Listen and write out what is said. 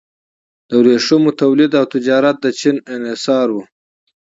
د ورېښمو تولید او تجارت د چین انحصاري و.